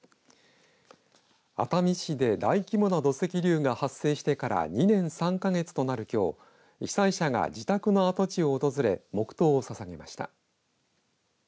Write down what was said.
熱海市で大規模な土石流が発生してから２年３か月となるきょう被災者が自宅の跡地を訪れ黙とうをささげました。